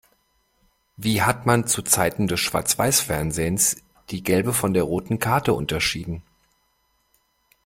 Wie hat man zu Zeiten des Schwarzweißfernsehens die gelbe von der roten Karte unterschieden?